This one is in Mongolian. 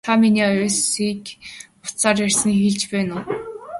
Та миний явсны дараа утсаар ярьсныг хэлж байна уу?